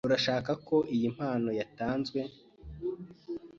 Urashaka ko iyi mpano yatanzwe?